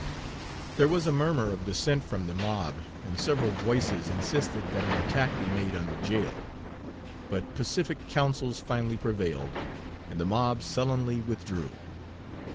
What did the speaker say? There was a murmur of dissent from the mob, and several voices insisted that an attack be made on the jail. But pacific counsels finally prevailed, and the mob sullenly withdrew.